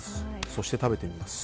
そして食べてみます。